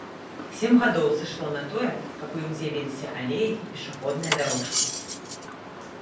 Сем гадоў сышло на тое, каб у ім з'явіліся алеі і пешаходныя дарожкі.